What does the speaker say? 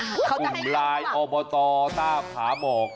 เอ้ยเขาจะให้กลุ่มลายอบตต้าผาบอก